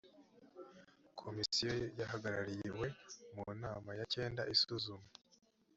komisiyo yahagarariwe mu nama ya cyenda isuzuma